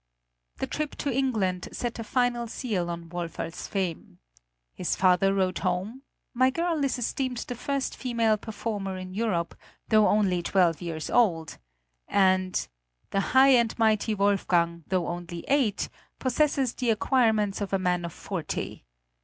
The trip to England set a final seal on Woferl's fame. His father wrote home: "My girl is esteemed the first female performer in Europe, though only twelve years old, and ... the high and mighty Wolfgang, though only eight, possesses the acquirements of a man of forty.